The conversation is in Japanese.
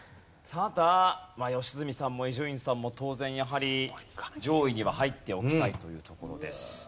ただ良純さんも伊集院さんも当然やはり上位には入っておきたいというところです。